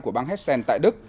của bang hessen tại đức